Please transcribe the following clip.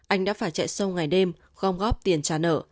anh đã phải chạy sâu ngày đêm gom góp tiền trả nợ